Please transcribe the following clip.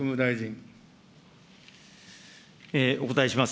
お答えします。